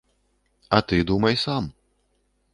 А ты думай сам.